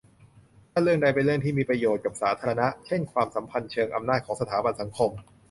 ถ้าเรื่องใดเป็นเรื่องที่มีประโยชน์กับสาธารณะ เช่นความสัมพันธ์เชิงอำนาจของสถาบันสังคม